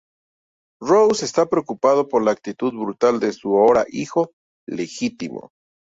Roose está preocupado por la actitud brutal de su ahora hijo legítimo.